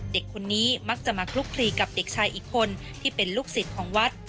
เด็กคนนี้มักจะมาคลุกคลีกับเด็กชายอีกคนที่เป็นลูกศิษย์ของวัด